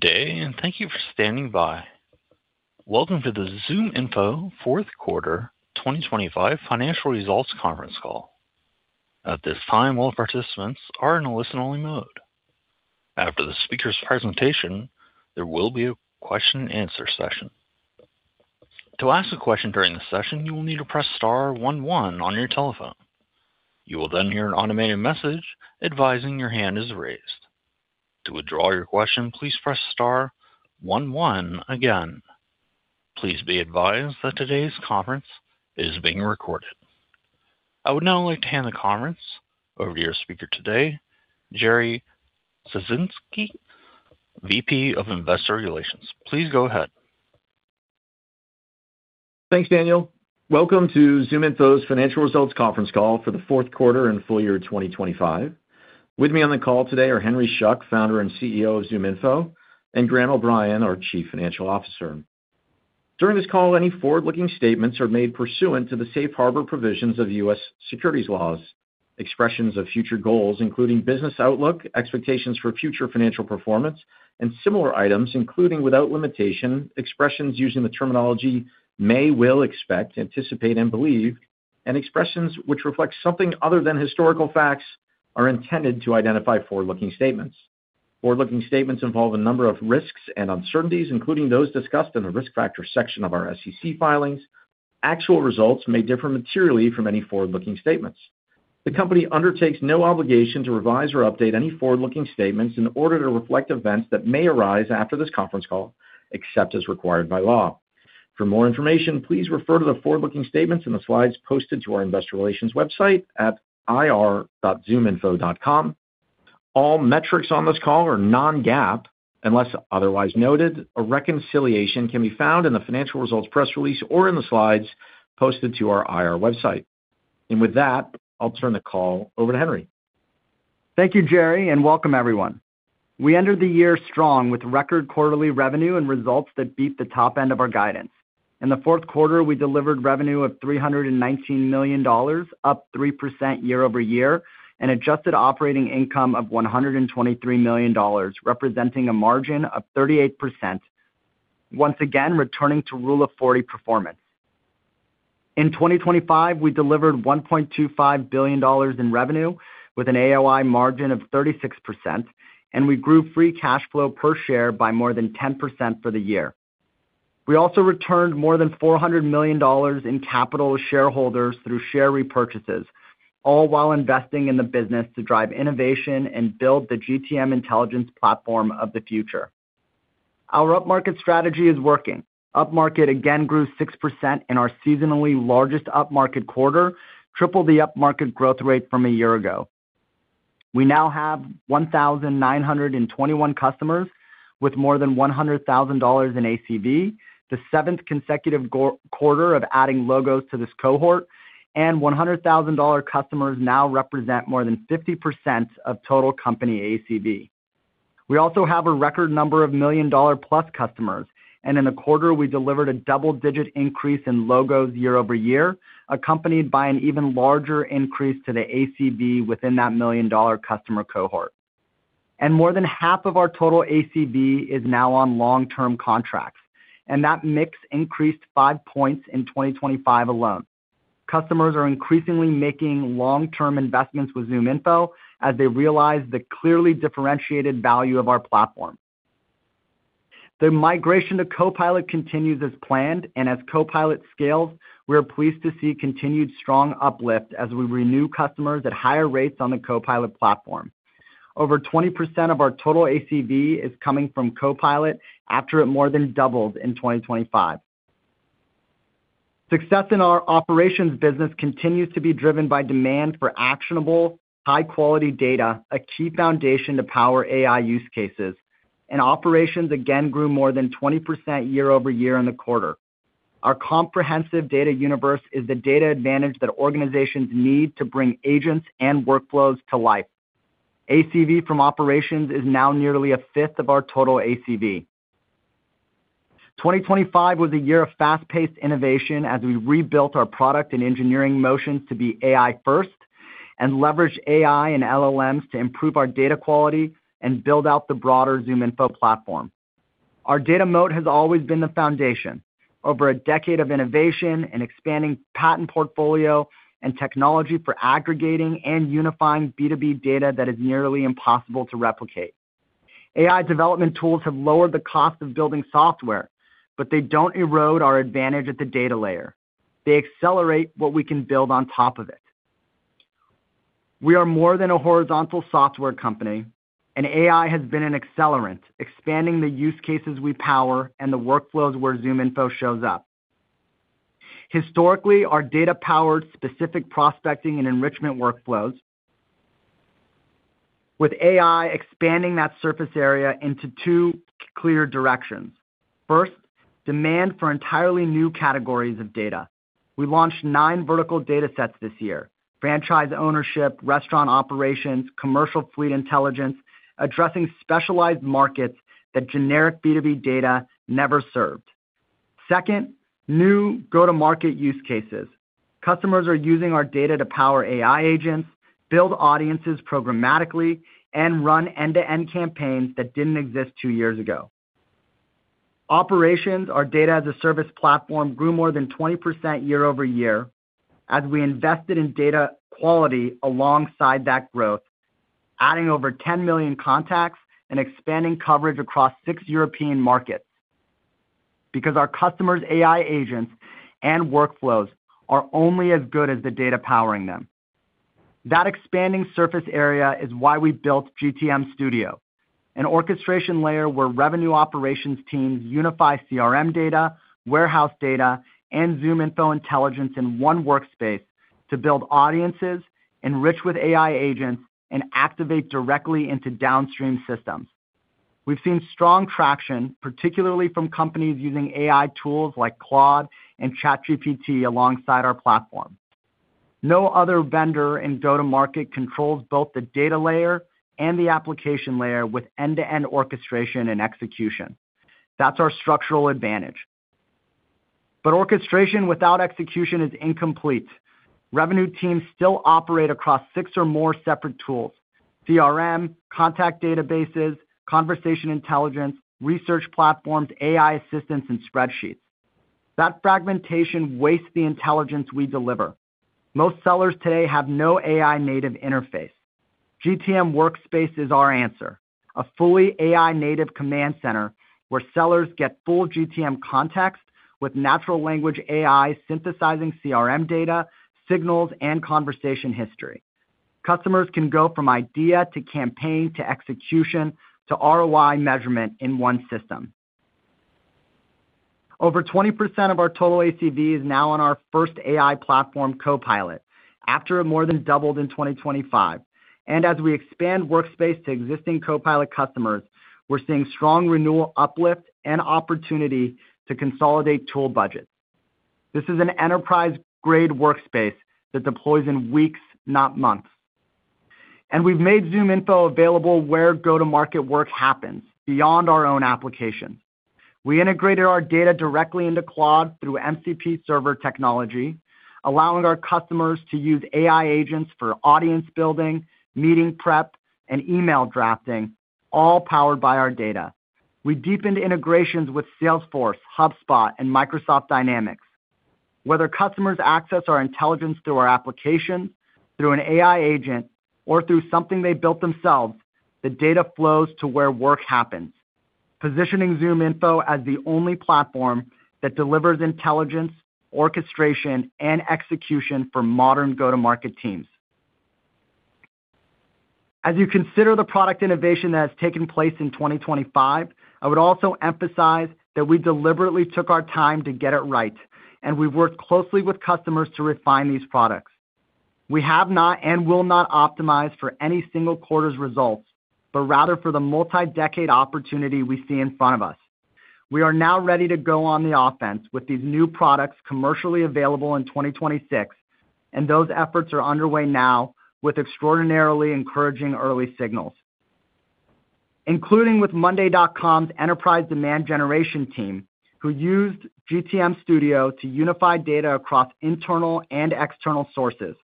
Good day, and thank you for standing by. Welcome to the ZoomInfo fourth quarter 2025 financial results conference call. At this time, all participants are in a listen-only mode. After the speaker's presentation, there will be a question-and-answer session. To ask a question during the session, you will need to press star one one on your telephone. You will then hear an automated message advising your hand is raised. To withdraw your question, please press star one one again. Please be advised that today's conference is being recorded. I would now like to hand the conference over to your speaker today, Jerry Sisitsky, VP of Investor Relations. Please go ahead. Thanks, Daniel. Welcome to ZoomInfo's financial results conference call for the fourth quarter and full year 2025. With me on the call today are Henry Schuck, Founder and CEO of ZoomInfo, and Graham O’Brien, our Chief Financial Officer. During this call, any forward-looking statements are made pursuant to the Safe Harbor provisions of U.S. securities laws, expressions of future goals including business outlook, expectations for future financial performance, and similar items including without limitation, expressions using the terminology may, will, expect, anticipate, and believe, and expressions which reflect something other than historical facts are intended to identify forward-looking statements. Forward-looking statements involve a number of risks and uncertainties including those discussed in the risk factor section of our SEC filings. Actual results may differ materially from any forward-looking statements. The company undertakes no obligation to revise or update any forward-looking statements in order to reflect events that may arise after this conference call except as required by law. For more information, please refer to the forward-looking statements in the slides posted to our investor relations website at ir.zoominfo.com. All metrics on this call are non-GAAP unless otherwise noted. A reconciliation can be found in the financial results press release or in the slides posted to our IR website. With that, I'll turn the call over to Henry. Thank you, Jerry, and welcome, everyone. We entered the year strong with record quarterly revenue and results that beat the top end of our guidance. In the fourth quarter, we delivered revenue of $319 million, up 3% year-over-year, and adjusted operating income of $123 million, representing a margin of 38%, once again returning to Rule of 40 performance. In 2025, we delivered $1.25 billion in revenue with an AOI margin of 36%, and we grew free cash flow per share by more than 10% for the year. We also returned more than $400 million in capital to shareholders through share repurchases, all while investing in the business to drive innovation and build the GTM intelligence platform of the future. Our upmarket strategy is working. Upmarket again grew 6% in our seasonally largest upmarket quarter, triple the upmarket growth rate from a year ago. We now have 1,921 customers with more than $100,000 in ACV, the seventh consecutive quarter of adding logos to this cohort, and $100,000 customers now represent more than 50% of total company ACV. We also have a record number of million-dollar-plus customers, and in the quarter, we delivered a double-digit increase in logos year-over-year, accompanied by an even larger increase to the ACV within that million-dollar customer cohort. More than half of our total ACV is now on long-term contracts, and that mix increased five points in 2025 alone. Customers are increasingly making long-term investments with ZoomInfo as they realize the clearly differentiated value of our platform. The migration to Copilot continues as planned, and as Copilot scales, we are pleased to see continued strong uplift as we renew customers at higher rates on the Copilot platform. Over 20% of our total ACV is coming from Copilot after it more than doubled in 2025. Success in our operations business continues to be driven by demand for actionable, high-quality data, a key foundation to power AI use cases, and operations again grew more than 20% year-over-year in the quarter. Our comprehensive data universe is the data advantage that organizations need to bring agents and workflows to life. ACV from operations is now nearly a fifth of our total ACV. 2025 was a year of fast-paced innovation as we rebuilt our product and engineering motions to be AI-first and leveraged AI and LLMs to improve our data quality and build out the broader ZoomInfo platform. Our data moat has always been the foundation, over a decade of innovation and expanding patent portfolio and technology for aggregating and unifying B2B data that is nearly impossible to replicate. AI development tools have lowered the cost of building software, but they don't erode our advantage at the data layer. They accelerate what we can build on top of it. We are more than a horizontal software company, and AI has been an accelerant, expanding the use cases we power and the workflows where ZoomInfo shows up. Historically, our data powered specific prospecting and enrichment workflows, with AI expanding that surface area into two clear directions. First, demand for entirely new categories of data. We launched nine vertical data sets this year: franchise ownership, restaurant operations, commercial fleet intelligence, addressing specialized markets that generic B2B data never served. Second, new go-to-market use cases. Customers are using our data to power AI agents, build audiences programmatically, and run end-to-end campaigns that didn't exist two years ago. Operations, our data-as-a-service platform, grew more than 20% year-over-year as we invested in data quality alongside that growth, adding over 10 million contacts and expanding coverage across six European markets because our customers' AI agents and workflows are only as good as the data powering them. That expanding surface area is why we built GTM Studio, an orchestration layer where revenue operations teams unify CRM data, warehouse data, and ZoomInfo intelligence in one workspace to build audiences, enrich with AI agents, and activate directly into downstream systems. We've seen strong traction, particularly from companies using AI tools like Claude and ChatGPT alongside our platform. No other vendor in go-to-market controls both the data layer and the application layer with end-to-end orchestration and execution. That's our structural advantage. But orchestration without execution is incomplete. Revenue teams still operate across six or more separate tools: CRM, contact databases, conversation intelligence, research platforms, AI assistants, and spreadsheets. That fragmentation wastes the intelligence we deliver. Most sellers today have no AI-native interface. GTM Workspace is our answer, a fully AI-native command center where sellers get full GTM context with natural language AI synthesizing CRM data, signals, and conversation history. Customers can go from idea to campaign to execution to ROI measurement in one system. Over 20% of our total ACV is now on our first AI platform, Copilot, after it more than doubled in 2025. As we expand Workspace to existing Copilot customers, we're seeing strong renewal uplift and opportunity to consolidate tool budgets. This is an enterprise-grade Workspace that deploys in weeks, not months. We've made ZoomInfo available where go-to-market work happens, beyond our own applications. We integrated our data directly into Claude through MCP Server technology, allowing our customers to use AI agents for audience building, meeting prep, and email drafting, all powered by our data. We deepened integrations with Salesforce, HubSpot, and Microsoft Dynamics. Whether customers access our intelligence through our applications, through an AI agent, or through something they built themselves, the data flows to where work happens, positioning ZoomInfo as the only platform that delivers intelligence, orchestration, and execution for modern go-to-market teams. As you consider the product innovation that has taken place in 2025, I would also emphasize that we deliberately took our time to get it right, and we've worked closely with customers to refine these products. We have not and will not optimize for any single quarter's results, but rather for the multi-decade opportunity we see in front of us. We are now ready to go on the offense with these new products commercially available in 2026, and those efforts are underway now with extraordinarily encouraging early signals, including with monday.com enterprise demand generation team who used GTM Studio to unify data across internal and external sources,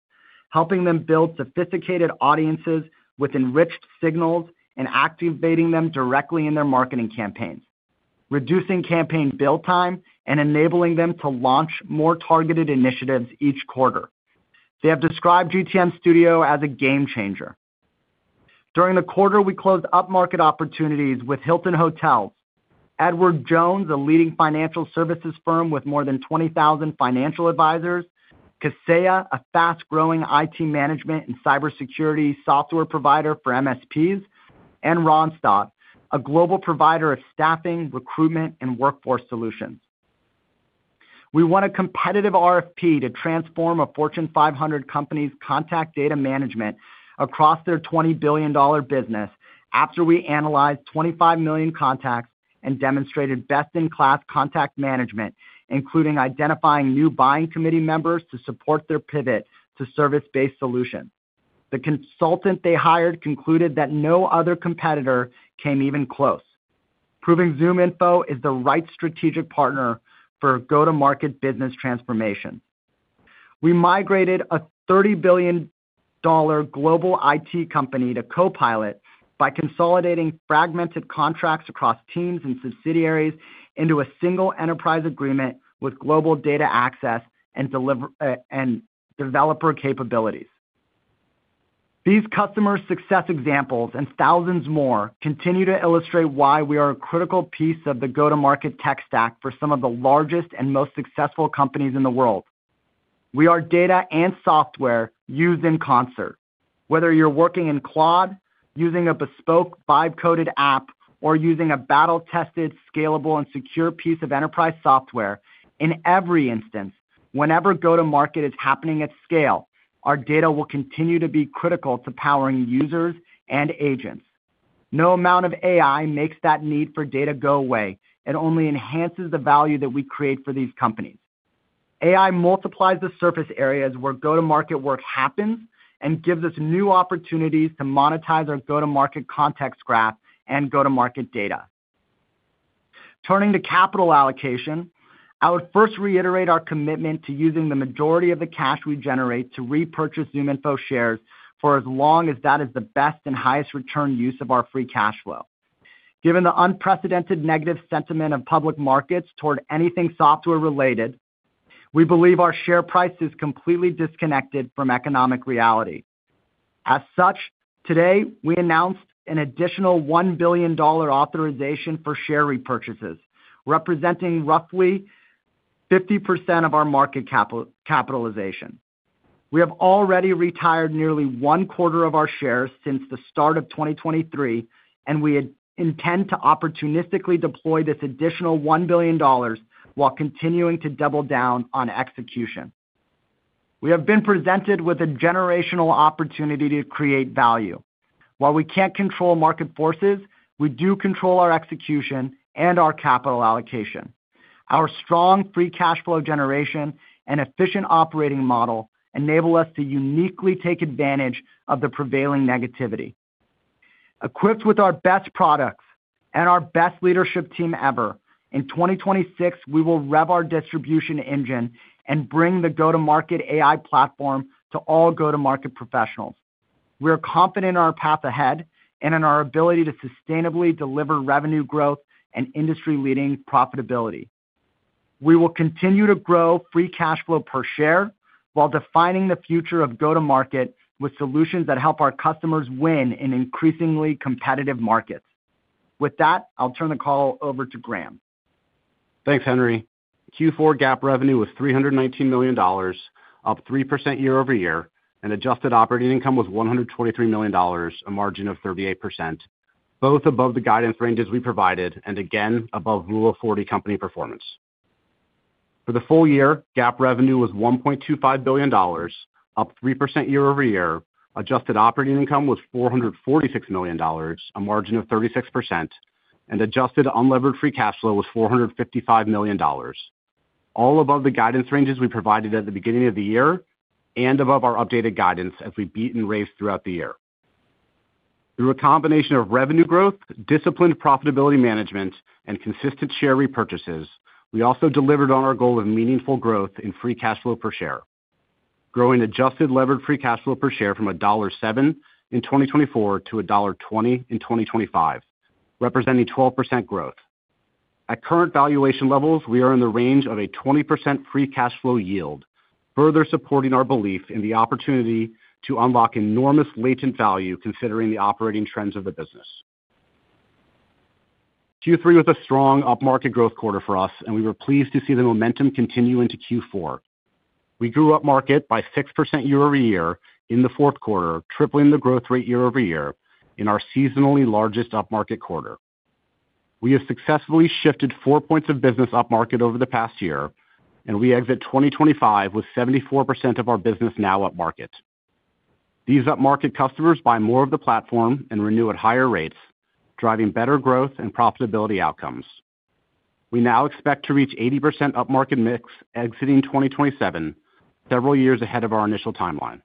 helping them build sophisticated audiences with enriched signals and activating them directly in their marketing campaigns, reducing campaign build time, and enabling them to launch more targeted initiatives each quarter. They have described GTM Studio as a game-changer. During the quarter, we closed upmarket opportunities with Hilton Hotels, Edward Jones, a leading financial services firm with more than 20,000 financial advisors, Kaseya, a fast-growing IT management and cybersecurity software provider for MSPs, and Randstad, a global provider of staffing, recruitment, and workforce solutions. We want a competitive RFP to transform a Fortune 500 company's contact data management across their $20 billion business after we analyzed 25 million contacts and demonstrated best-in-class contact management, including identifying new buying committee members to support their pivot to service-based solutions. The consultant they hired concluded that no other competitor came even close, proving ZoomInfo is the right strategic partner for go-to-market business transformation. We migrated a $30 billion global IT company to Copilot by consolidating fragmented contracts across teams and subsidiaries into a single enterprise agreement with global data access and developer capabilities. These customers' success examples and thousands more continue to illustrate why we are a critical piece of the go-to-market tech stack for some of the largest and most successful companies in the world. We are data and software used in concert. Whether you're working in Claude, using a bespoke vibe-coded app, or using a battle-tested, scalable, and secure piece of enterprise software, in every instance, whenever go-to-market is happening at scale, our data will continue to be critical to powering users and agents. No amount of AI makes that need for data go away. It only enhances the value that we create for these companies. AI multiplies the surface areas where go-to-market work happens and gives us new opportunities to monetize our go-to-market context graph and go-to-market data. Turning to capital allocation, I would first reiterate our commitment to using the majority of the cash we generate to repurchase ZoomInfo shares for as long as that is the best and highest-return use of our free cash flow. Given the unprecedented negative sentiment of public markets toward anything software-related, we believe our share price is completely disconnected from economic reality. As such, today, we announced an additional $1 billion authorization for share repurchases, representing roughly 50% of our market capitalization. We have already retired nearly 25% of our shares since the start of 2023, and we intend to opportunistically deploy this additional $1 billion while continuing to double down on execution. We have been presented with a generational opportunity to create value. While we can't control market forces, we do control our execution and our capital allocation. Our strong free cash flow generation and efficient operating model enable us to uniquely take advantage of the prevailing negativity. Equipped with our best products and our best leadership team ever, in 2026, we will rev our distribution engine and bring the go-to-market AI platform to all go-to-market professionals. We are confident in our path ahead and in our ability to sustainably deliver revenue growth and industry-leading profitability. We will continue to grow free cash flow per share while defining the future of go-to-market with solutions that help our customers win in increasingly competitive markets. With that, I'll turn the call over to Graham. Thanks, Henry. Q4 GAAP revenue was $319 million, up 3% year-over-year, and adjusted operating income was $123 million, a margin of 38%, both above the guidance ranges we provided and again above Rule of 40 company performance. For the full year, GAAP revenue was $1.25 billion, up 3% year-over-year, adjusted operating income was $446 million, a margin of 36%, and adjusted unlevered free cash flow was $455 million, all above the guidance ranges we provided at the beginning of the year and above our updated guidance as we beat and raised throughout the year. Through a combination of revenue growth, disciplined profitability management, and consistent share repurchases, we also delivered on our goal of meaningful growth in free cash flow per share, growing adjusted levered free cash flow per share from $1.07 in 2024 to $1.20 in 2025, representing 12% growth. At current valuation levels, we are in the range of a 20% free cash flow yield, further supporting our belief in the opportunity to unlock enormous latent value considering the operating trends of the business. Q3 was a strong upmarket growth quarter for us, and we were pleased to see the momentum continue into Q4. We grew upmarket by 6% year-over-year in the fourth quarter, tripling the growth rate year-over-year in our seasonally largest upmarket quarter. We have successfully shifted four points of business upmarket over the past year, and we exit 2025 with 74% of our business now upmarket. These upmarket customers buy more of the platform and renew at higher rates, driving better growth and profitability outcomes. We now expect to reach 80% upmarket mix exiting 2027, several years ahead of our initial timeline.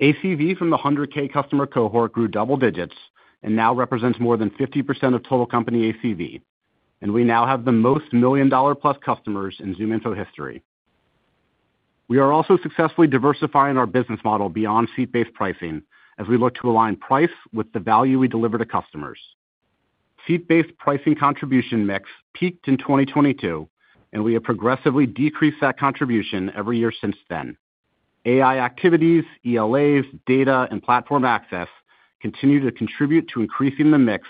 ACV from the 100K customer cohort grew double digits and now represents more than 50% of total company ACV, and we now have the most million-dollar-plus customers in ZoomInfo history. We are also successfully diversifying our business model beyond seat-based pricing as we look to align price with the value we deliver to customers. Seat-based pricing contribution mix peaked in 2022, and we have progressively decreased that contribution every year since then. AI activities, ELAs, data, and platform access continue to contribute to increasing the mix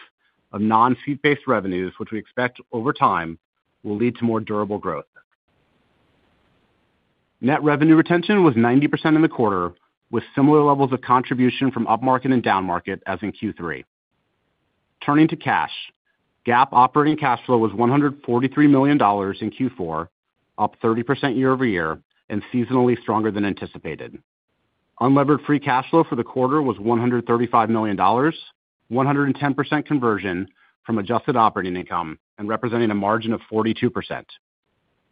of non-seat-based revenues, which we expect over time will lead to more durable growth. Net revenue retention was 90% in the quarter, with similar levels of contribution from upmarket and downmarket as in Q3. Turning to cash, GAAP operating cash flow was $143 million in Q4, up 30% year-over-year and seasonally stronger than anticipated. Unlevered free cash flow for the quarter was $135 million, 110% conversion from adjusted operating income and representing a margin of 42%.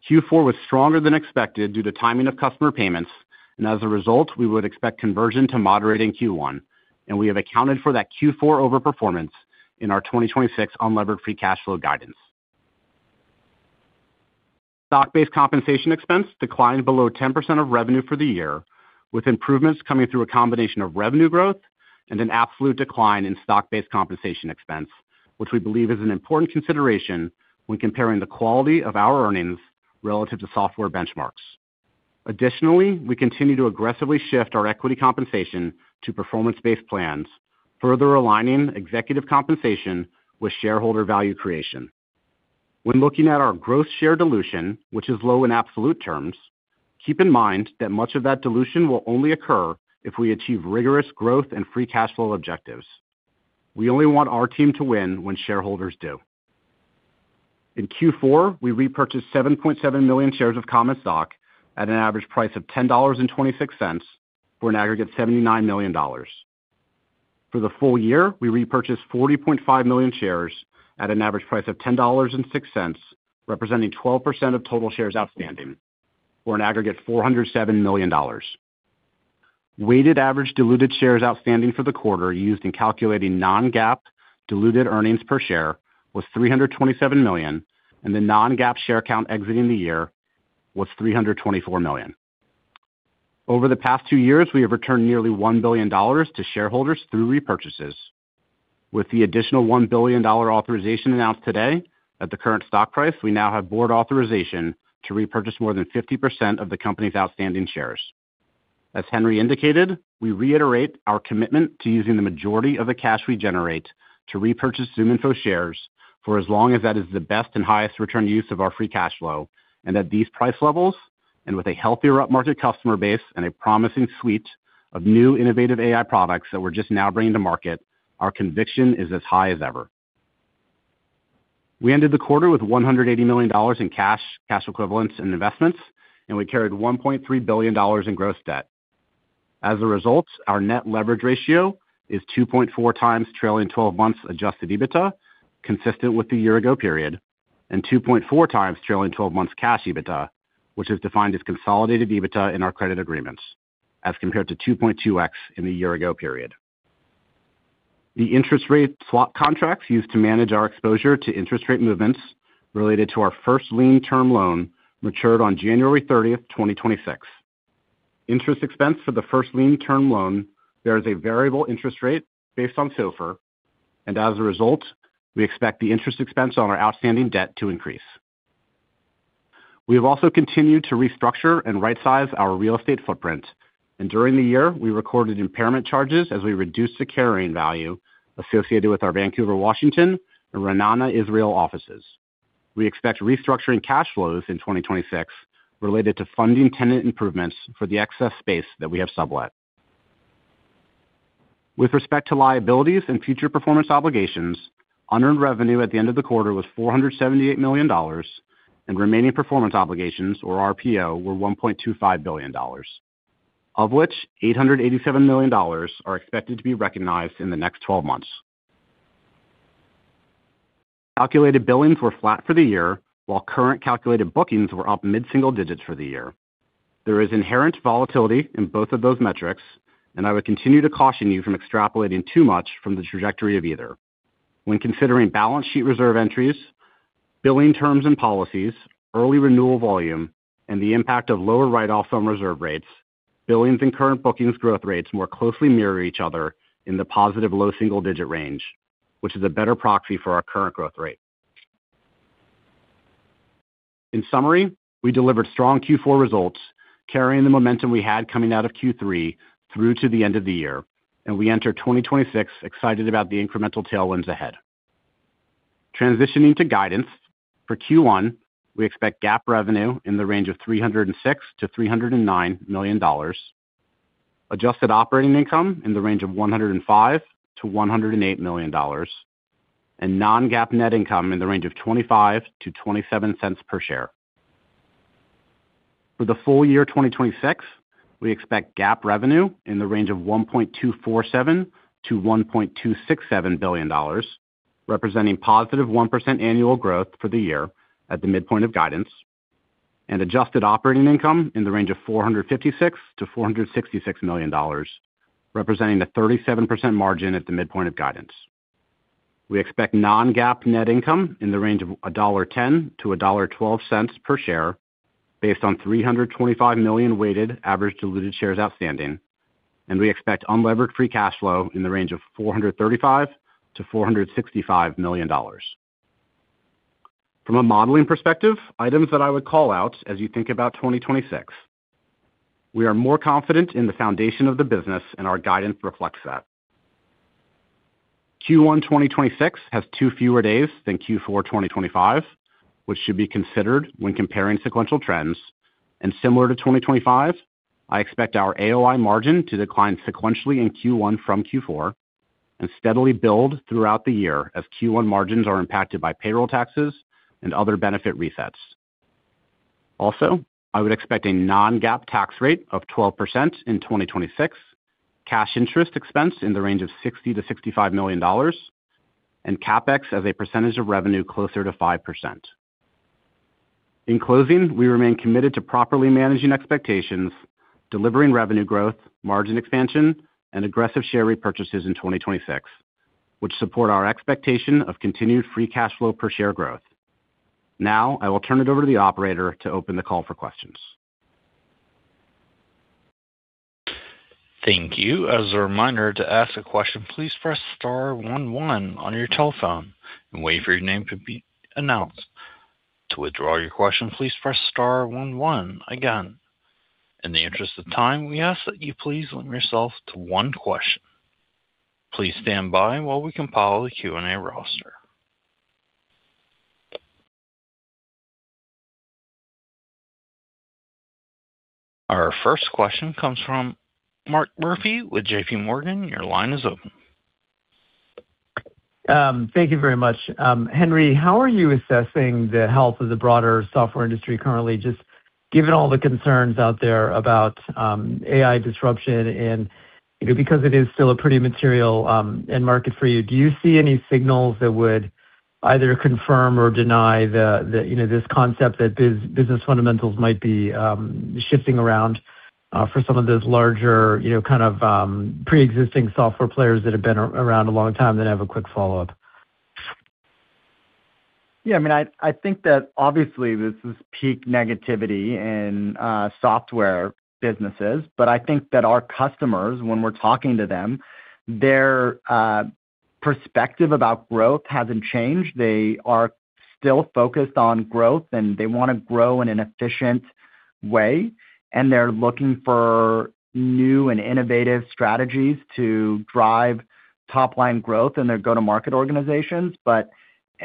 Q4 was stronger than expected due to timing of customer payments, and as a result, we would expect conversion to moderate in Q1, and we have accounted for that Q4 overperformance in our 2026 unlevered free cash flow guidance. Stock-based compensation expense declined below 10% of revenue for the year, with improvements coming through a combination of revenue growth and an absolute decline in stock-based compensation expense, which we believe is an important consideration when comparing the quality of our earnings relative to software benchmarks. Additionally, we continue to aggressively shift our equity compensation to performance-based plans, further aligning executive compensation with shareholder value creation. When looking at our gross share dilution, which is low in absolute terms, keep in mind that much of that dilution will only occur if we achieve rigorous growth and free cash flow objectives. We only want our team to win when shareholders do. In Q4, we repurchased 7.7 million shares of Common Stock at an average price of $10.26 for an aggregate $79 million. For the full year, we repurchased 40.5 million shares at an average price of $10.06, representing 12% of total shares outstanding for an aggregate $407 million. Weighted average diluted shares outstanding for the quarter used in calculating non-GAAP diluted earnings per share was 327 million, and the non-GAAP share count exiting the year was 324 million. Over the past two years, we have returned nearly $1 billion to shareholders through repurchases. With the additional $1 billion authorization announced today at the current stock price, we now have board authorization to repurchase more than 50% of the company's outstanding shares. As Henry indicated, we reiterate our commitment to using the majority of the cash we generate to repurchase ZoomInfo shares for as long as that is the best and highest-return use of our free cash flow, and at these price levels and with a healthier upmarket customer base and a promising suite of new innovative AI products that we're just now bringing to market, our conviction is as high as ever. We ended the quarter with $180 million in cash, cash equivalents, and investments, and we carried $1.3 billion in gross debt. As a result, our net leverage ratio is 2.4x trailing 12 months adjusted EBITDA, consistent with the year-ago period, and 2.4x trailing 12 months cash EBITDA, which is defined as consolidated EBITDA in our credit agreements, as compared to 2.2x in the year-ago period. The interest rate swap contracts used to manage our exposure to interest rate movements related to our first lien term loan matured on January 30th, 2026. Interest expense for the first lien term loan bears a variable interest rate based on SOFR, and as a result, we expect the interest expense on our outstanding debt to increase. We have also continued to restructure and right-size our real estate footprint, and during the year, we recorded impairment charges as we reduced the carrying value associated with our Vancouver, Washington, and Ra'anana, Israel offices. We expect restructuring cash flows in 2026 related to funding tenant improvements for the excess space that we have sublet. With respect to liabilities and future performance obligations, unearned revenue at the end of the quarter was $478 million, and remaining performance obligations, or RPO, were $1.25 billion, of which $887 million are expected to be recognized in the next 12 months. Calculated billings were flat for the year, while current calculated bookings were up mid-single digits for the year. There is inherent volatility in both of those metrics, and I would continue to caution you from extrapolating too much from the trajectory of either. When considering balance sheet reserve entries, billing terms and policies, early renewal volume, and the impact of lower write-offs on reserve rates, billings and current bookings growth rates more closely mirror each other in the positive low-single-digit range, which is a better proxy for our current growth rate. In summary, we delivered strong Q4 results carrying the momentum we had coming out of Q3 through to the end of the year, and we enter 2026 excited about the incremental tailwinds ahead. Transitioning to guidance, for Q1, we expect GAAP revenue in the range of $306 million-$309 million, adjusted operating income in the range of $105 million-$108 million, and non-GAAP net income in the range of $0.25-$0.27 per share. For the full year 2026, we expect GAAP revenue in the range of $1.247 billion-$1.267 billion, representing positive 1% annual growth for the year at the midpoint of guidance, and adjusted operating income in the range of $456 million-$466 million, representing a 37% margin at the midpoint of guidance. We expect non-GAAP net income in the range of $1.10-$1.12 per share based on 325 million weighted average diluted shares outstanding, and we expect unlevered free cash flow in the range of $435 million-$465 million. From a modeling perspective, items that I would call out as you think about 2026: we are more confident in the foundation of the business, and our guidance reflects that. Q1 2026 has two fewer days than Q4 2025, which should be considered when comparing sequential trends, and similar to 2025, I expect our AOI margin to decline sequentially in Q1 from Q4 and steadily build throughout the year as Q1 margins are impacted by payroll taxes and other benefit resets. Also, I would expect a non-GAAP tax rate of 12% in 2026, cash interest expense in the range of $60 million-$65 million, and CapEx as a percentage of revenue closer to 5%. In closing, we remain committed to properly managing expectations, delivering revenue growth, margin expansion, and aggressive share repurchases in 2026, which support our expectation of continued free cash flow per share growth. Now, I will turn it over to the operator to open the call for questions. Thank you. As a reminder, to ask a question, please press star one one on your telephone and wait for your name to be announced. To withdraw your question, please press star one one again. In the interest of time, we ask that you please limit yourself to one question. Please stand by while we compile the Q&A roster. Our first question comes from Mark Murphy with JPMorgan. Your line is open. Thank you very much. Henry, how are you assessing the health of the broader software industry currently, just given all the concerns out there about AI disruption? Because it is still a pretty material market for you, do you see any signals that would either confirm or deny this concept that business fundamentals might be shifting around for some of those larger kind of pre-existing software players that have been around a long time that have a quick follow-up? Yeah. I mean, I think that obviously, this is peak negativity in software businesses, but I think that our customers, when we're talking to them, their perspective about growth hasn't changed. They are still focused on growth, and they want to grow in an efficient way, and they're looking for new and innovative strategies to drive top-line growth in their go-to-market organizations, but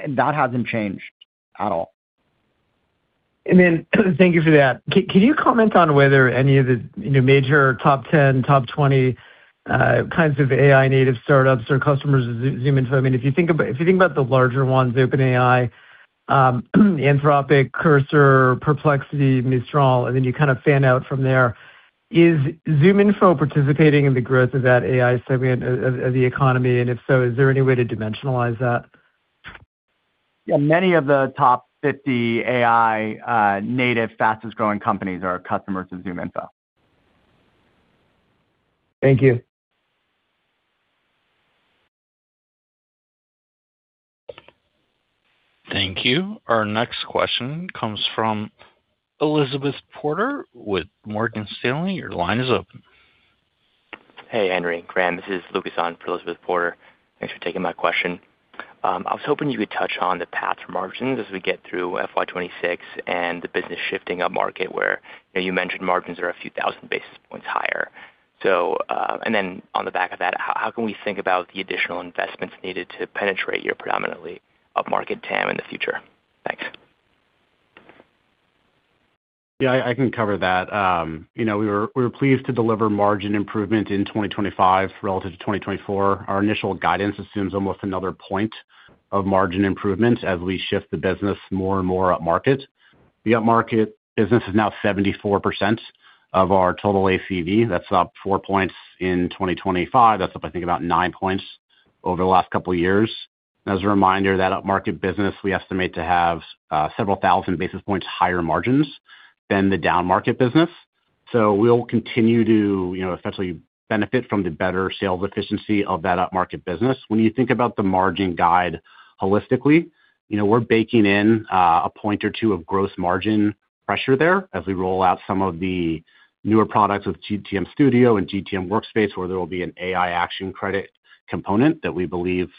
that hasn't changed at all. I mean, thank you for that. Can you comment on whether any of the major top 10, top 20 kinds of AI-native startups or customers of ZoomInfo? I mean, if you think about the larger ones, OpenAI, Anthropic, Cursor, Perplexity, Mistral, and then you kind of fan out from there, is ZoomInfo participating in the growth of that AI segment of the economy? And if so, is there any way to dimensionalize that? Yeah. Many of the top 50 AI-native fastest-growing companies are customers of ZoomInfo. Thank you. Thank you. Our next question comes from Elizabeth Porter with Morgan Stanley. Your line is open. Hey, Henry, Graham. This is Lucas on for Elizabeth Porter. Thanks for taking my question. I was hoping you could touch on the path for margins as we get through FY 2026 and the business shifting upmarket where you mentioned margins are a few thousand basis points higher. And then on the back of that, how can we think about the additional investments needed to penetrate your predominantly upmarket TAM in the future? Thanks. Yeah. I can cover that. We were pleased to deliver margin improvement in 2025 relative to 2024. Our initial guidance assumes almost another point of margin improvement as we shift the business more and more upmarket. The upmarket business is now 74% of our total ACV. That's up four points in 2025. That's up, I think, about nine points over the last couple of years. As a reminder, that upmarket business, we estimate to have several thousand basis points higher margins than the downmarket business. So we'll continue to essentially benefit from the better sales efficiency of that upmarket business. When you think about the margin guide holistically, we're baking in a point or two of gross margin pressure there as we roll out some of the newer products with GTM Studio and GTM Workspace, where there will be an AI action credit component that we believe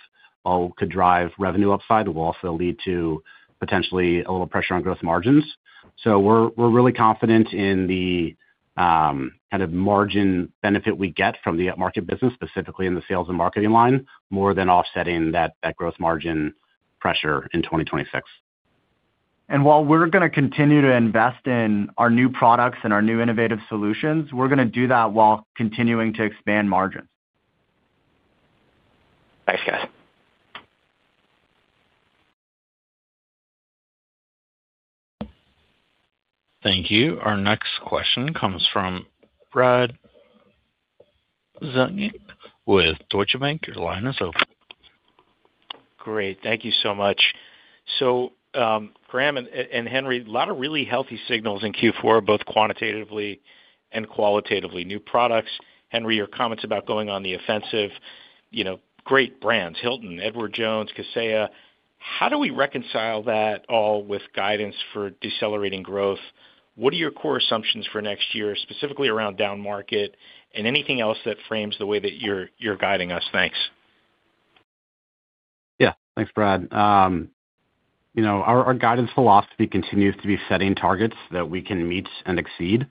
could drive revenue upside that will also lead to potentially a little pressure on gross margins. So we're really confident in the kind of margin benefit we get from the upmarket business, specifically in the sales and marketing line, more than offsetting that gross margin pressure in 2026. While we're going to continue to invest in our new products and our new innovative solutions, we're going to do that while continuing to expand margins. Thanks, guys. Thank you. Our next question comes from Brad Zelnick with Deutsche Bank. Your line is open. Great. Thank you so much. So Graham and Henry, a lot of really healthy signals in Q4, both quantitatively and qualitatively. New products. Henry, your comments about going on the offensive. Great brands: Hilton, Edward Jones, Kaseya. How do we reconcile that all with guidance for decelerating growth? What are your core assumptions for next year, specifically around downmarket, and anything else that frames the way that you're guiding us? Thanks. Yeah. Thanks, Brad. Our guidance philosophy continues to be setting targets that we can meet and exceed.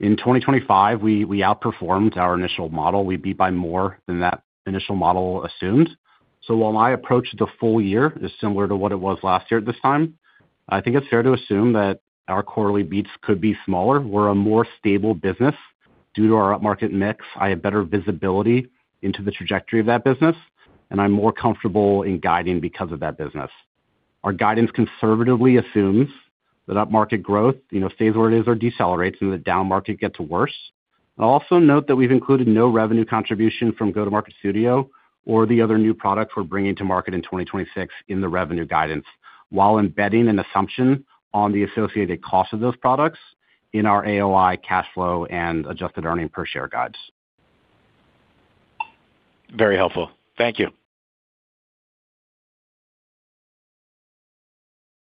In 2025, we outperformed our initial model. We beat by more than that initial model assumed. So while my approach to the full year is similar to what it was last year at this time, I think it's fair to assume that our quarterly beats could be smaller. We're a more stable business due to our upmarket mix. I have better visibility into the trajectory of that business, and I'm more comfortable in guiding because of that business. Our guidance conservatively assumes that upmarket growth stays where it is or decelerates and that downmarket gets worse. I'll also note that we've included no revenue contribution from Go-to-Market Studio or the other new products we're bringing to market in 2026 in the revenue guidance while embedding an assumption on the associated cost of those products in our AOI, cash flow, and adjusted earnings per share guides. Very helpful. Thank you.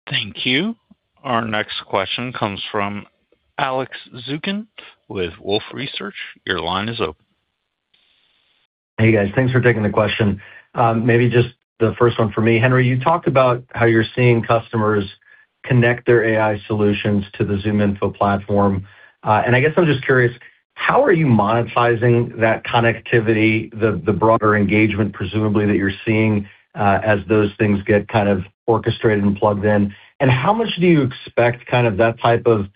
Thank you. Our next question comes from Alex Zukin with Wolfe Research. Your line is open. Hey, guys. Thanks for taking the question. Maybe just the first one for me. Henry, you talked about how you're seeing customers connect their AI solutions to the ZoomInfo platform. And I guess I'm just curious, how are you monetizing that connectivity, the broader engagement presumably that you're seeing as those things get kind of orchestrated and plugged in? And how much do you expect kind of that type of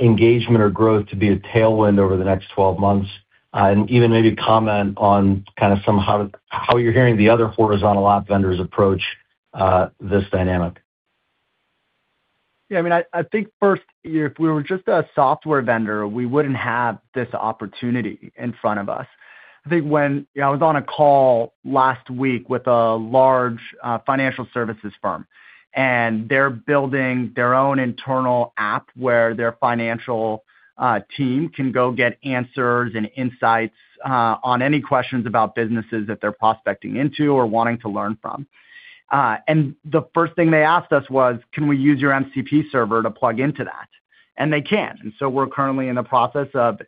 engagement or growth to be a tailwind over the next 12 months? And even maybe comment on kind of how you're hearing the other horizontal app vendors approach this dynamic? Yeah. I mean, I think first, if we were just a software vendor, we wouldn't have this opportunity in front of us. I think when I was on a call last week with a large financial services firm, and they're building their own internal app where their financial team can go get answers and insights on any questions about businesses that they're prospecting into or wanting to learn from. And the first thing they asked us was, "Can we use your MCP server to plug into that?" And they can. And so we're currently in the process of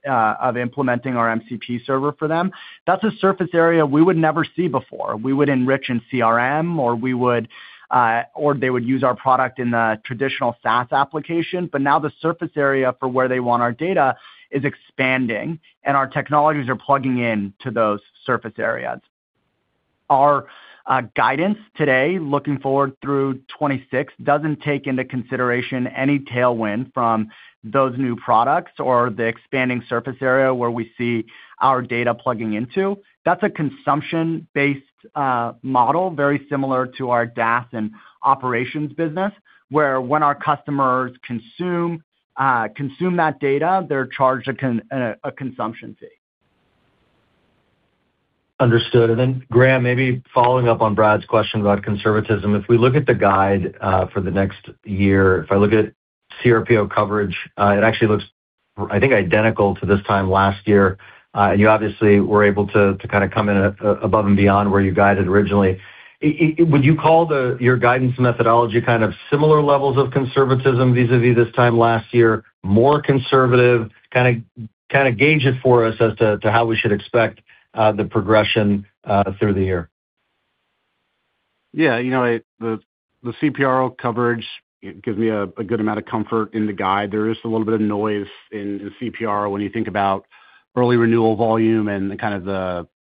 implementing our MCP server for them. That's a surface area we would never see before. We would enrich in CRM, or they would use our product in the traditional SaaS application. But now the surface area for where they want our data is expanding, and our technologies are plugging into those surface areas. Our guidance today, looking forward through 2026, doesn't take into consideration any tailwind from those new products or the expanding surface area where we see our data plugging into. That's a consumption-based model, very similar to our DaaS and operations business, where when our customers consume that data, they're charged a consumption fee. Understood. Then, Graham, maybe following up on Brad's question about conservatism. If we look at the guide for the next year, if I look at cRPO coverage, it actually looks, I think, identical to this time last year. And you obviously were able to kind of come in above and beyond where you guided originally. Would you call your guidance methodology kind of similar levels of conservatism vis-à-vis this time last year, more conservative? Kind of gauge it for us as to how we should expect the progression through the year. Yeah. The cRPO coverage gives me a good amount of comfort in the guide. There is a little bit of noise in cRPO when you think about early renewal volume and kind of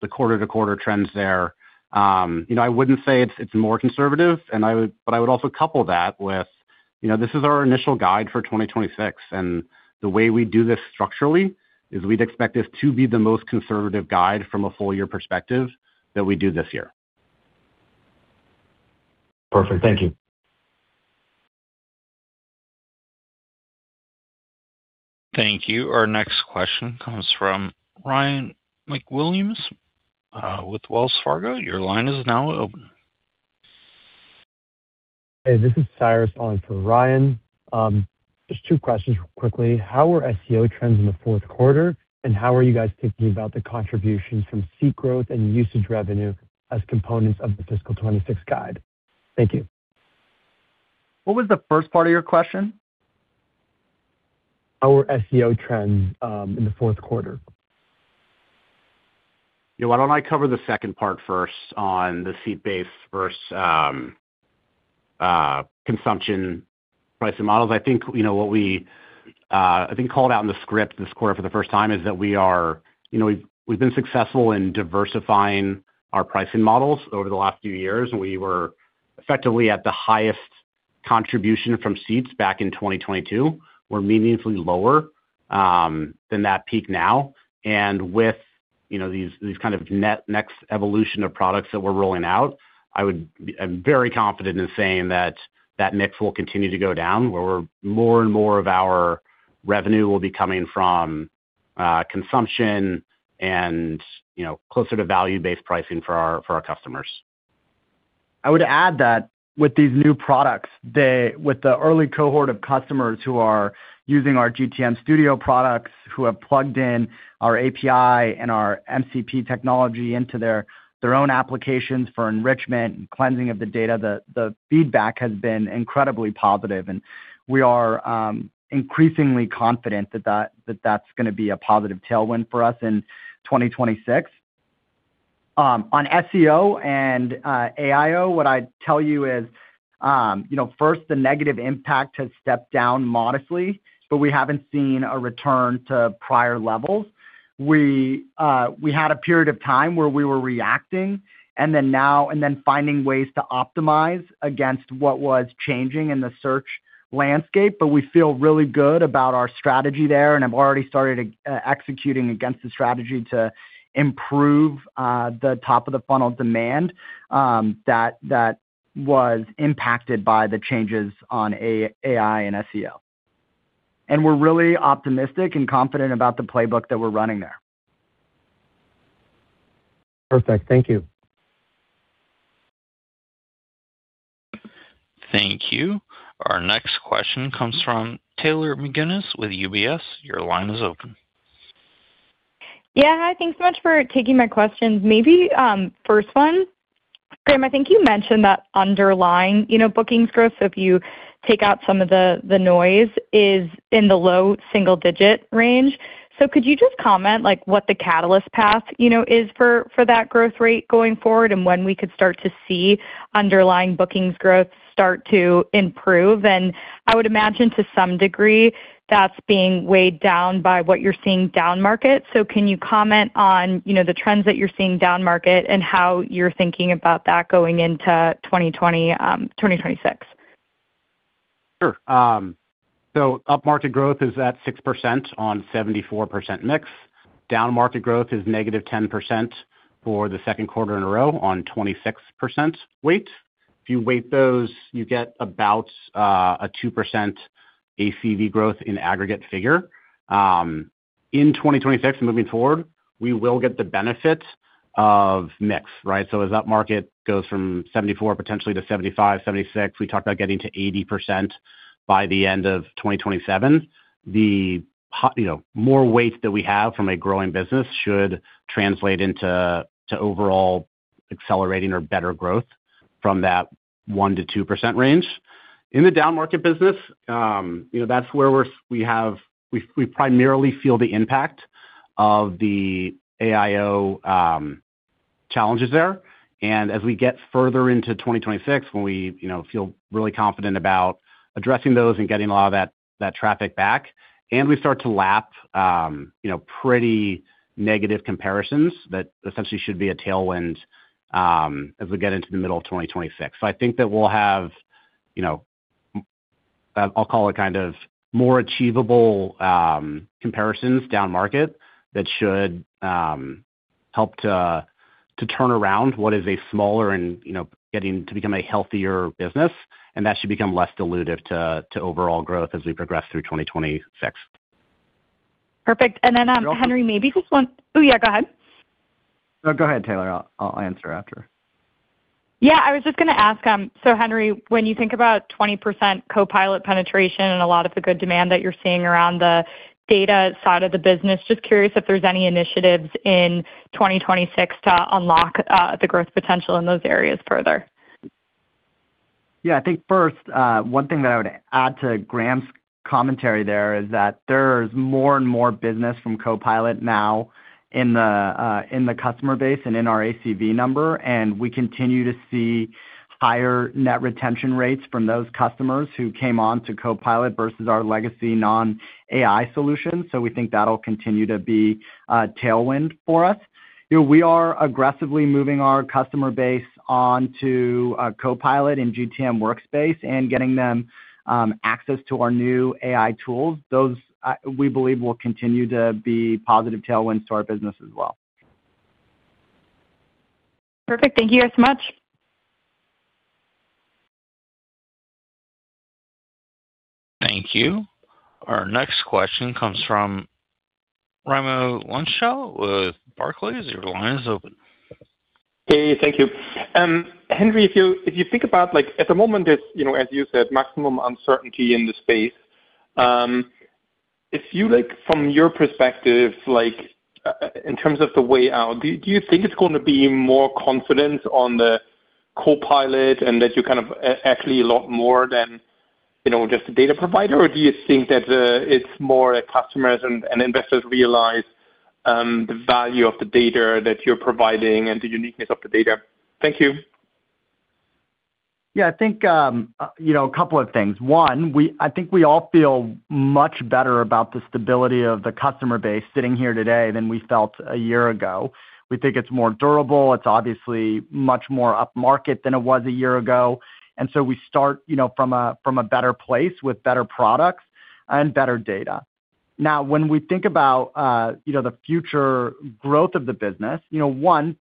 the quarter-to-quarter trends there. I wouldn't say it's more conservative, but I would also couple that with this is our initial guide for 2026. And the way we do this structurally is we'd expect this to be the most conservative guide from a full-year perspective that we do this year. Perfect. Thank you. Thank you. Our next question comes from Ryan MacWilliams with Wells Fargo. Your line is now open. Hey. This is Cyrus calling for Ryan. Just two questions quickly. How are SEO trends in the fourth quarter, and how are you guys thinking about the contributions from seat growth and usage revenue as components of the fiscal 2026 guide? Thank you. What was the first part of your question? How are SEO trends in the fourth quarter? Yeah. Why don't I cover the second part first on the seat-based versus consumption pricing models? I think what we called out in the script this quarter for the first time is that we've been successful in diversifying our pricing models over the last few years. We were effectively at the highest contribution from seats back in 2022. We're meaningfully lower than that peak now. With these kind of next evolution of products that we're rolling out, I'm very confident in saying that that mix will continue to go down, where more and more of our revenue will be coming from consumption and closer to value-based pricing for our customers. I would add that with these new products, with the early cohort of customers who are using our GTM Studio products, who have plugged in our API and our MCP technology into their own applications for enrichment and cleansing of the data, the feedback has been incredibly positive. We are increasingly confident that that's going to be a positive tailwind for us in 2026. On SEO and AIO, what I'd tell you is, first, the negative impact has stepped down modestly, but we haven't seen a return to prior levels. We had a period of time where we were reacting and then finding ways to optimize against what was changing in the search landscape. We feel really good about our strategy there, and have already started executing against the strategy to improve the top-of-the-funnel demand that was impacted by the changes on AI and SEO. We're really optimistic and confident about the playbook that we're running there. Perfect. Thank you. Thank you. Our next question comes from Taylor McGinnis with UBS. Your line is open. Yeah. Hi. Thanks so much for taking my questions. Maybe first one, Graham, I think you mentioned that underlying bookings growth, if you take out some of the noise, is in the low single-digit range. So could you just comment what the catalyst path is for that growth rate going forward and when we could start to see underlying bookings growth start to improve? And I would imagine to some degree that's being weighed down by what you're seeing downmarket. So can you comment on the trends that you're seeing downmarket and how you're thinking about that going into 2026? Sure. So upmarket growth is at 6% on 74% mix. Downmarket growth is -10% for the second quarter in a row on 26% weight. If you weight those, you get about a 2% ACV growth in aggregate figure. In 2026 and moving forward, we will get the benefit of mix, right? So as upmarket goes from 74 potentially to 75, 76, we talk about getting to 80% by the end of 2027, the more weight that we have from a growing business should translate into overall accelerating or better growth from that 1%-2% range. In the downmarket business, that's where we primarily feel the impact of the AIO challenges there. As we get further into 2026, when we feel really confident about addressing those and getting a lot of that traffic back, and we start to lap pretty negative comparisons that essentially should be a tailwind as we get into the middle of 2026. So I think that we'll have—I'll call it—kind of more achievable comparisons downmarket that should help to turn around what is a smaller and getting to become a healthier business. And that should become less dilutive to overall growth as we progress through 2026. Perfect. And then, Henry, maybe just want. Oh, yeah. Go ahead. No, go ahead, Taylor. I'll answer after. Yeah. I was just going to ask, so Henry, when you think about 20% Copilot penetration and a lot of the good demand that you're seeing around the data side of the business, just curious if there's any initiatives in 2026 to unlock the growth potential in those areas further? Yeah. I think first, one thing that I would add to Graham's commentary there is that there's more and more business from Copilot now in the customer base and in our ACV number. And we continue to see higher net retention rates from those customers who came on to Copilot versus our legacy non-AI solutions. So we think that'll continue to be a tailwind for us. We are aggressively moving our customer base onto Copilot and GTM Workspace and getting them access to our new AI tools. Those, we believe, will continue to be positive tailwinds to our business as well. Perfect. Thank you guys so much. Thank you. Our next question comes from Raimo Lenschow with Barclays. Your line is open. Hey. Thank you. Henry, if you think about at the moment, as you said, maximum uncertainty in the space. If you, from your perspective, in terms of the way out, do you think it's going to be more confidence on the Copilot and that you're kind of actually a lot more than just a data provider? Or do you think that it's more that customers and investors realize the value of the data that you're providing and the uniqueness of the data? Thank you. Yeah. I think a couple of things. One, I think we all feel much better about the stability of the customer base sitting here today than we felt a year ago. We think it's more durable. It's obviously much more upmarket than it was a year ago. And so we start from a better place with better products and better data. Now, when we think about the future growth of the business, one,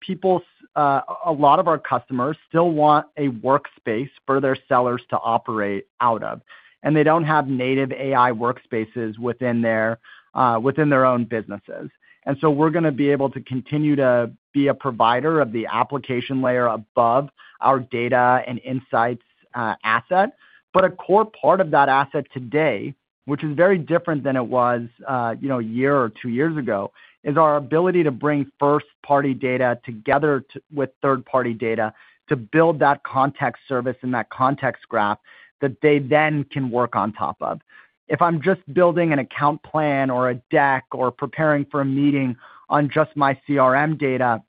a lot of our customers still want a workspace for their sellers to operate out of. And they don't have native AI workspaces within their own businesses. And so we're going to be able to continue to be a provider of the application layer above our data and insights asset. But a core part of that asset today, which is very different than it was a year or two years ago, is our ability to bring first-party data together with third-party data to build that context service and that context graph that they then can work on top of. If I'm just building an account plan or a deck or preparing for a meeting on just my CRM data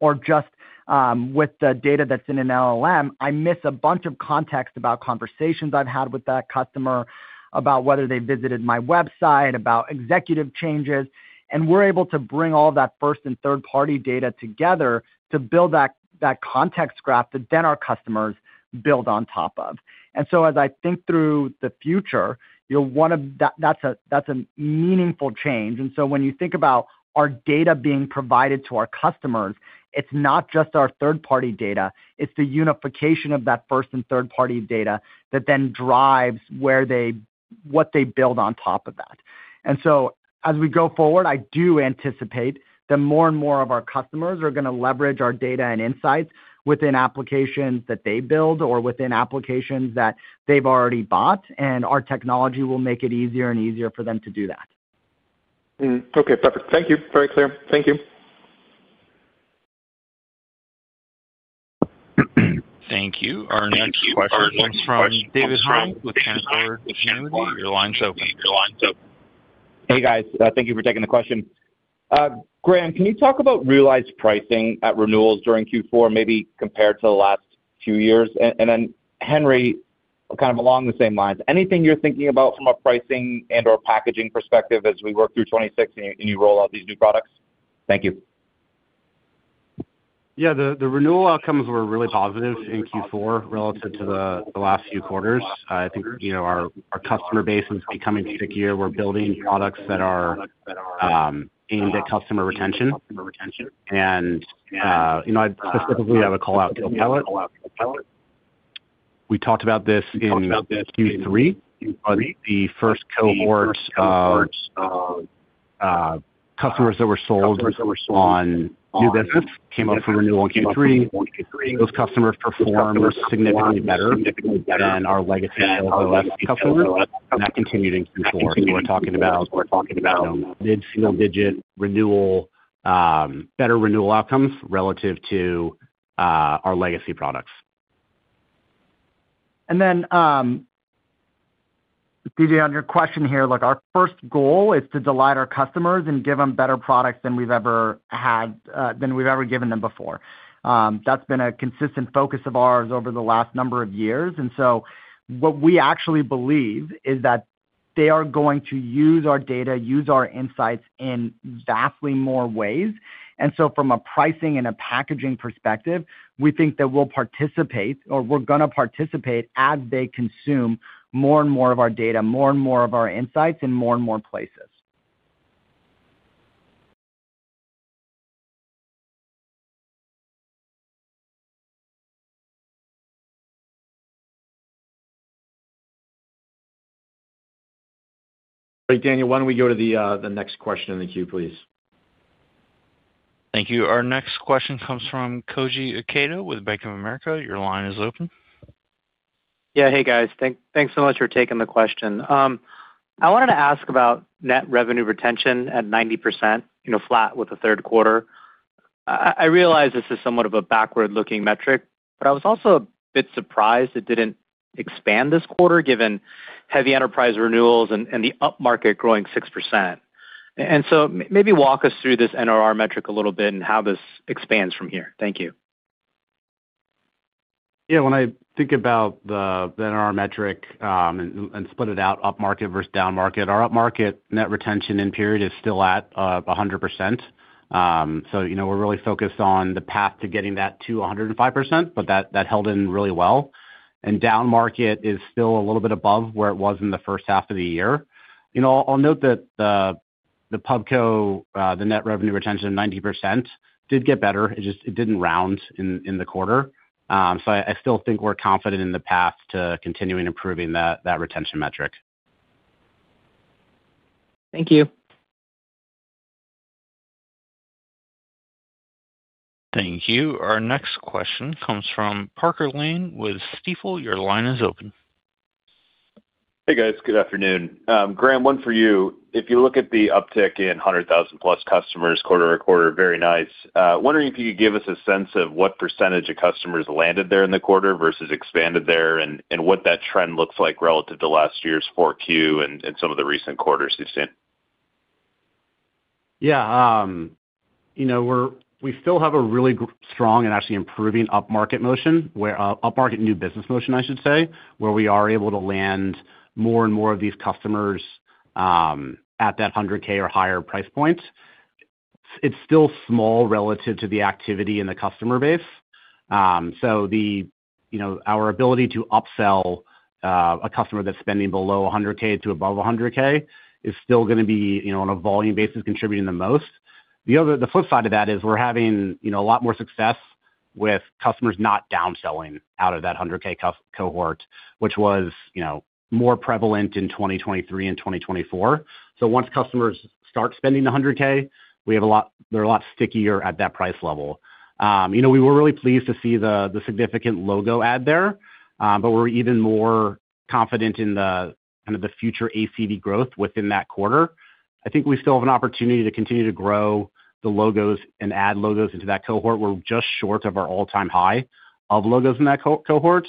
or just with the data that's in an LLM, I miss a bunch of context about conversations I've had with that customer about whether they visited my website, about executive changes. And we're able to bring all that first and third-party data together to build that context graph that then our customers build on top of. And so as I think through the future, that's a meaningful change. When you think about our data being provided to our customers, it's not just our third-party data. It's the unification of that first and third-party data that then drives what they build on top of that. As we go forward, I do anticipate that more and more of our customers are going to leverage our data and insights within applications that they build or within applications that they've already bought. And our technology will make it easier and easier for them to do that. Okay. Perfect. Thank you. Very clear. Thank you. Thank you. Our next question comes from David Hynes with Canaccord Genuity. Your line's open. Hey, guys. Thank you for taking the question. Graham, can you talk about realized pricing at renewals during Q4, maybe compared to the last few years? And then, Henry, kind of along the same lines, anything you're thinking about from a pricing and/or packaging perspective as we work through 2026 and you roll out these new products? Thank you. Yeah. The renewal outcomes were really positive in Q4 relative to the last few quarters. I think our customer base is becoming stickier. We're building products that are aimed at customer retention. And I specifically have a callout to Copilot. We talked about this in Q3. The first cohort of customers that were sold on new business came up for renewal in Q3. Those customers performed significantly better than our legacy OS customers. And that continued in Q4. So we're talking about mid-four-digit better renewal outcomes relative to our legacy products. And then, David, on your question here, our first goal is to delight our customers and give them better products than we've ever had than we've ever given them before. That's been a consistent focus of ours over the last number of years. And so what we actually believe is that they are going to use our data, use our insights in vastly more ways. And so from a pricing and a packaging perspective, we think that we'll participate or we're going to participate as they consume more and more of our data, more and more of our insights in more and more places. All right, Daniel. Why don't we go to the next question in the queue, please? Thank you. Our next question comes from Koji Ikeda with Bank of America. Your line is open. Yeah. Hey, guys. Thanks so much for taking the question. I wanted to ask about net revenue retention at 90% flat with a third quarter. I realize this is somewhat of a backward-looking metric, but I was also a bit surprised it didn't expand this quarter given heavy enterprise renewals and the upmarket growing 6%. And so maybe walk us through this NRR metric a little bit and how this expands from here. Thank you. Yeah. When I think about the NRR metric and split it out upmarket versus downmarket, our upmarket net retention in period is still at 100%. So we're really focused on the path to getting that to 105%, but that held in really well. And downmarket is still a little bit above where it was in the first half of the year. I'll note that the PubCo, the net revenue retention of 90%, did get better. It didn't round in the quarter. So I still think we're confident in the path to continuing improving that retention metric. Thank you. Thank you. Our next question comes from Parker Lane with Stifel. Your line is open. Hey, guys. Good afternoon. Graham, one for you. If you look at the uptick in 100,000+ customers quarter-over-quarter, very nice. Wondering if you could give us a sense of what percentage of customers landed there in the quarter versus expanded there and what that trend looks like relative to last year's fourth Q and some of the recent quarters you've seen? Yeah. We still have a really strong and actually improving upmarket motion where upmarket new business motion, I should say, where we are able to land more and more of these customers at that $100K or higher price point. It's still small relative to the activity in the customer base. So our ability to upsell a customer that's spending below $100K to above $100K is still going to be, on a volume basis, contributing the most. The flip side of that is we're having a lot more success with customers not downselling out of that $100K cohort, which was more prevalent in 2023 and 2024. So once customers start spending the $100K, they're a lot stickier at that price level. We were really pleased to see the significant logo add there, but we're even more confident in kind of the future ACV growth within that cohort. I think we still have an opportunity to continue to grow the logos and add logos into that cohort. We're just short of our all-time high of logos in that cohort.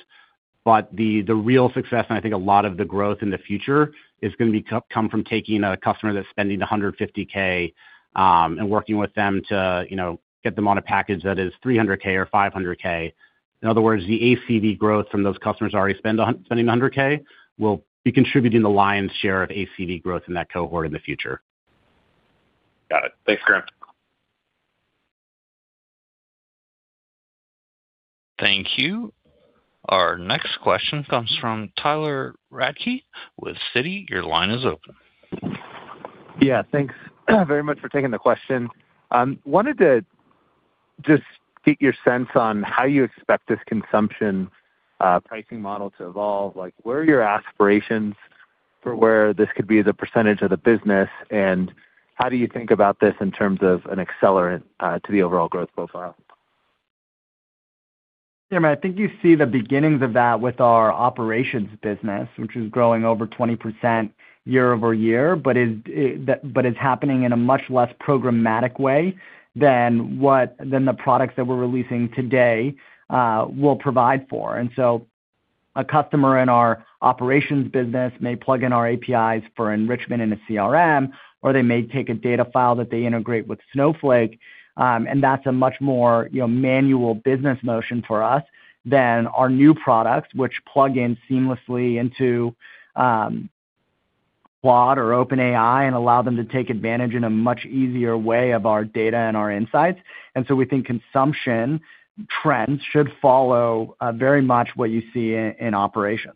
But the real success, and I think a lot of the growth in the future, is going to come from taking a customer that's spending $150K and working with them to get them on a package that is $300K or $500K. In other words, the ACV growth from those customers already spending $100K will be contributing the lion's share of ACV growth in that cohort in the future. Got it. Thanks, Graham. Thank you. Our next question comes from Tyler Radke with Citi. Your line is open. Yeah. Thanks very much for taking the question. Wanted to just get your sense on how you expect this consumption pricing model to evolve. Where are your aspirations for where this could be the percentage of the business? And how do you think about this in terms of an accelerant to the overall growth profile? Yeah. I mean, I think you see the beginnings of that with our operations business, which is growing over 20% year-over-year, but is happening in a much less programmatic way than the products that we're releasing today will provide for. And so a customer in our operations business may plug in our APIs for enrichment in a CRM, or they may take a data file that they integrate with Snowflake. And that's a much more manual business motion for us than our new products, which plug in seamlessly into Claude or OpenAI and allow them to take advantage in a much easier way of our data and our insights. And so we think consumption trends should follow very much what you see in operations.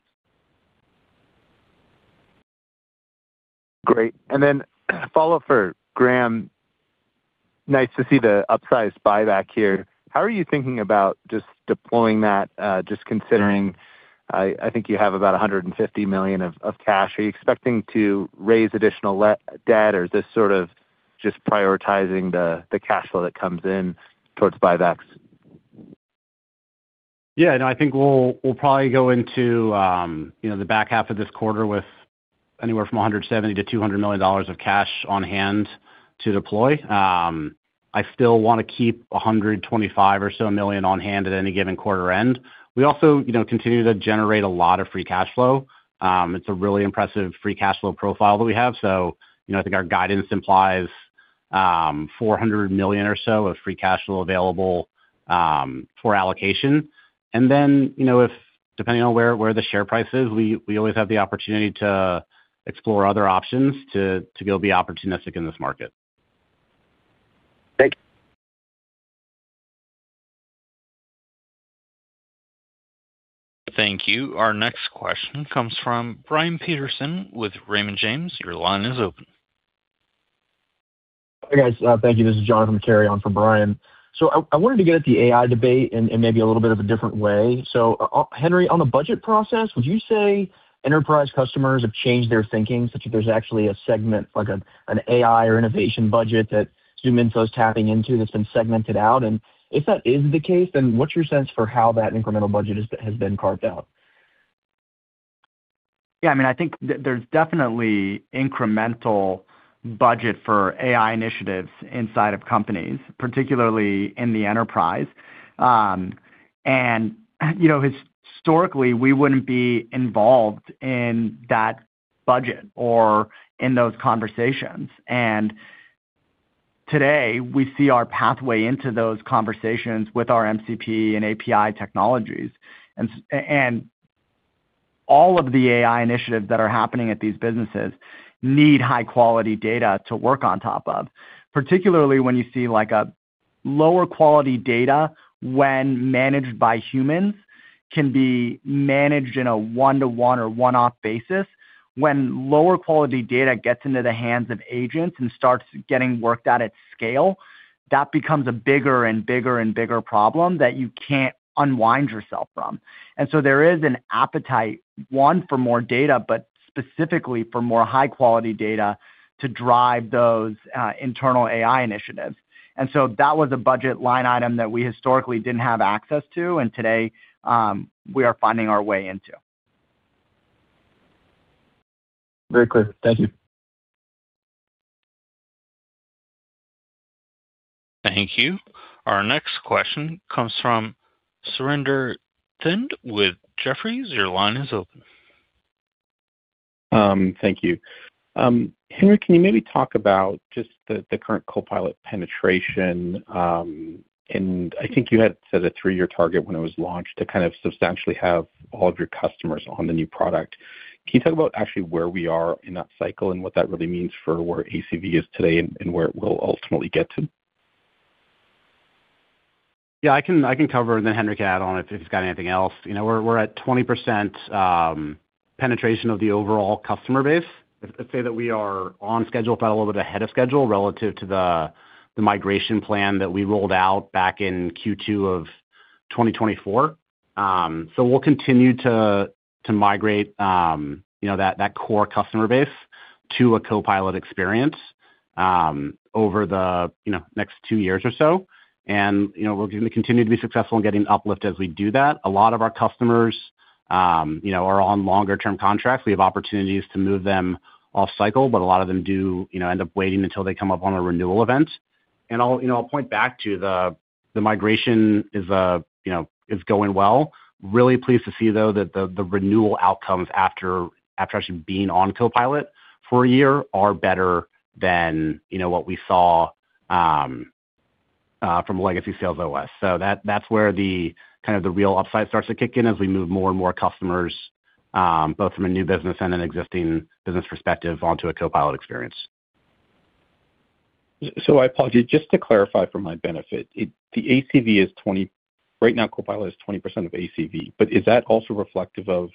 Great. Then follow-up for Graham. Nice to see the upsize buyback here. How are you thinking about just deploying that, just considering I think you have about $150 million of cash? Are you expecting to raise additional debt, or is this sort of just prioritizing the cash flow that comes in towards buybacks? Yeah. No, I think we'll probably go into the back half of this quarter with anywhere from $170 million-$200 million of cash on hand to deploy. I still want to keep $125 million or so on hand at any given quarter end. We also continue to generate a lot of free cash flow. It's a really impressive free cash flow profile that we have. So I think our guidance implies $400 million or so of free cash flow available for allocation. And then depending on where the share price is, we always have the opportunity to explore other options to go be opportunistic in this market. Thank you. Thank you. Our next question comes from Brian Peterson with Raymond James. Your line is open. Hey, guys. Thank you. This is John from Raymond James for Brian. So I wanted to get at the AI debate in maybe a little bit of a different way. So, Henry, on the budget process, would you say enterprise customers have changed their thinking, such that there's actually an AI or innovation budget that ZoomInfo is tapping into that's been segmented out? And if that is the case, then what's your sense for how that incremental budget has been carved out? Yeah. I mean, I think there's definitely incremental budget for AI initiatives inside of companies, particularly in the enterprise. And historically, we wouldn't be involved in that budget or in those conversations. And today, we see our pathway into those conversations with our MCP and API technologies. And all of the AI initiatives that are happening at these businesses need high-quality data to work on top of, particularly when you see lower-quality data when managed by humans can be managed in a one-to-one or one-off basis. When lower-quality data gets into the hands of agents and starts getting worked out at scale, that becomes a bigger and bigger and bigger problem that you can't unwind yourself from. And so there is an appetite, one, for more data, but specifically for more high-quality data to drive those internal AI initiatives. And so that was a budget line item that we historically didn't have access to, and today, we are finding our way into. Very clear. Thank you. Thank you. Our next question comes from Surinder Thind with Jefferies. Your line is open. Thank you. Henry, can you maybe talk about just the current Copilot penetration? And I think you had said a three-year target when it was launched to kind of substantially have all of your customers on the new product. Can you talk about actually where we are in that cycle and what that really means for where ACV is today and where it will ultimately get to? Yeah. I can cover, and then Henry can add on if he's got anything else. We're at 20% penetration of the overall customer base. Let's say that we are on schedule, but a little bit ahead of schedule relative to the migration plan that we rolled out back in Q2 of 2024. So we'll continue to migrate that core customer base to a Copilot experience over the next two years or so. And we're going to continue to be successful in getting uplift as we do that. A lot of our customers are on longer-term contracts. We have opportunities to move them off-cycle, but a lot of them do end up waiting until they come up on a renewal event. And I'll point back to the migration is going well. Really pleased to see, though, that the renewal outcomes after actually being on Copilot for a year are better than what we saw from legacy SalesOS. So that's where kind of the real upside starts to kick in as we move more and more customers, both from a new business and an existing business perspective, onto a Copilot experience. So I apologize. Just to clarify for my benefit, right now, Copilot is 20% of ACV. But is that also reflective of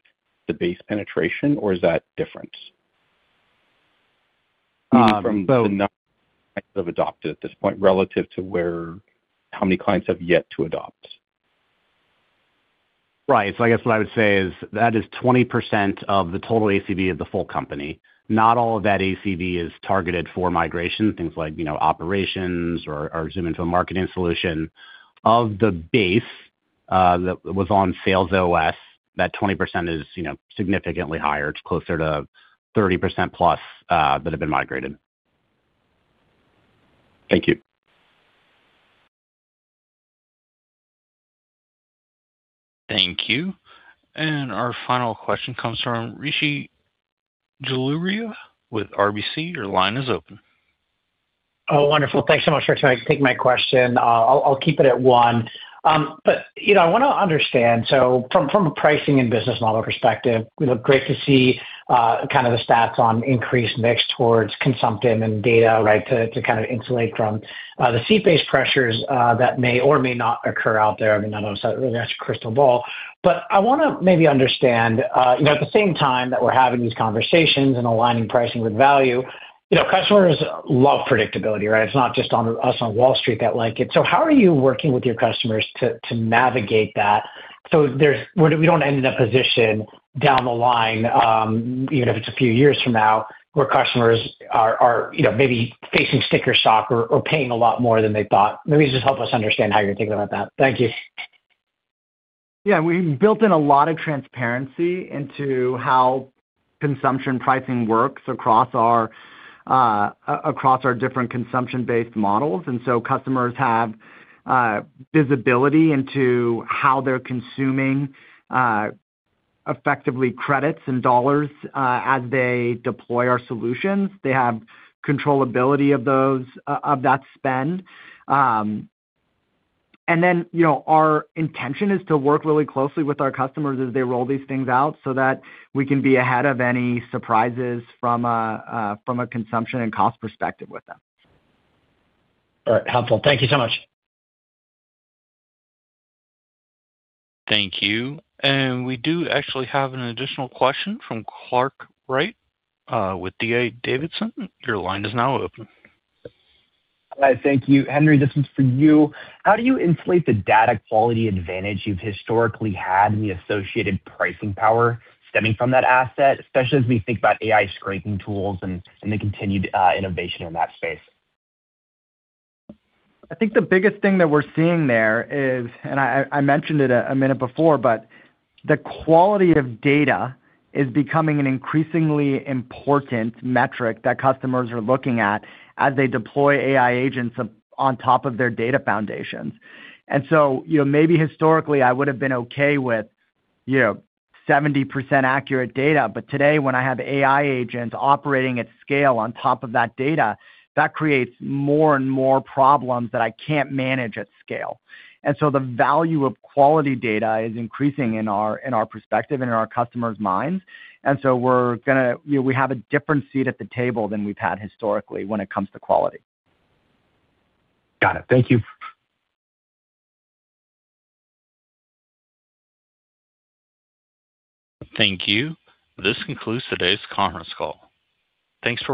the base penetration, or is that different? Maybe from the number of clients that have adopted at this point relative to how many clients have yet to adopt. Right. So I guess what I would say is that is 20% of the total ACV of the full company. Not all of that ACV is targeted for migration, things like operations or our ZoomInfo Marketing solution. Of the base that was on SalesOS, that 20% is significantly higher. It's closer to 30%+ that have been migrated. Thank you. Thank you. Our final question comes from Rishi Jaluria with RBC. Your line is open. Oh, wonderful. Thanks so much for taking my question. I'll keep it at one. But I want to understand. So from a pricing and business model perspective, it would look great to see kind of the stats on increased mix towards consumption and data, right, to kind of insulate from the seat-based pressures that may or may not occur out there. I mean, I don't know if that really answers your crystal ball. But I want to maybe understand, at the same time that we're having these conversations and aligning pricing with value, customers love predictability, right? It's not just us on Wall Street that like it. How are you working with your customers to navigate that so we don't end in a position down the line, even if it's a few years from now, where customers are maybe facing sticker shock or paying a lot more than they thought? Maybe just help us understand how you're thinking about that. Thank you. Yeah. We've built in a lot of transparency into how consumption pricing works across our different consumption-based models. So customers have visibility into how they're consuming effectively credits and dollars as they deploy our solutions. They have controllability of that spend. Our intention is to work really closely with our customers as they roll these things out so that we can be ahead of any surprises from a consumption and cost perspective with them. All right. Helpful. Thank you so much. Thank you. We do actually have an additional question from Clark Wright with D.A. Davidson. Your line is now open. Hi, thank you. Henry, this one's for you. How do you insulate the data quality advantage you've historically had and the associated pricing power stemming from that asset, especially as we think about AI scraping tools and the continued innovation in that space? I think the biggest thing that we're seeing there is, and I mentioned it a minute before, but the quality of data is becoming an increasingly important metric that customers are looking at as they deploy AI agents on top of their data foundations. And so maybe historically, I would have been okay with 70% accurate data. But today, when I have AI agents operating at scale on top of that data, that creates more and more problems that I can't manage at scale. And so the value of quality data is increasing in our perspective and in our customers' minds. And so we have a different seat at the table than we've had historically when it comes to quality. Got it. Thank you. Thank you. This concludes today's conference call. Thanks for.